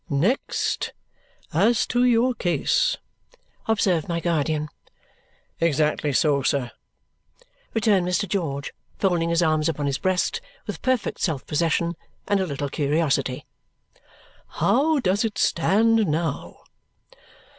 "Next, as to your case," observed my guardian. "Exactly so, sir," returned Mr. George, folding his arms upon his breast with perfect self possession and a little curiosity. "How does it stand now?"